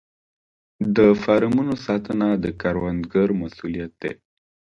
د فارمونو ساتنه د کروندګر مسوولیت دی.